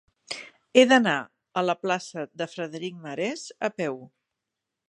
He d'anar a la plaça de Frederic Marès a peu.